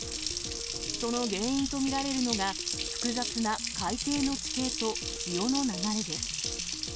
その原因と見られるのが、複雑な海底の地形と潮の流れです。